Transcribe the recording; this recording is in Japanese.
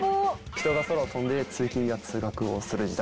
「人が空を飛んで通勤や通学する時代」。